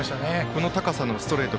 この高さのストレート